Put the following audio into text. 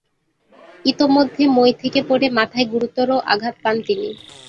ইতোমধ্যে মই থেকে পরে মাথায় গুরুতর আঘাত পান তিনি।